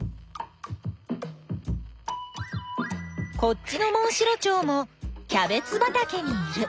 こっちのモンシロチョウもキャベツばたけにいる。